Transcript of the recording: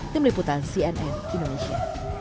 tim liputan cnn indonesia